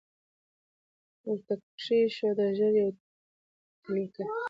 ورته کښې یې ښوده ژر یوه تلکه